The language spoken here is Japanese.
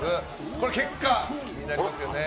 これ結果、気になりますよね。